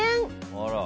あら。